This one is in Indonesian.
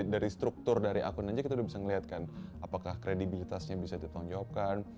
dari struktur dari akun aja kita udah bisa ngelihatkan apakah kredibilitasnya bisa ditanggung jawabkan